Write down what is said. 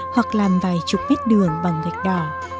hoặc làm vài chục mét đường bằng gạch đỏ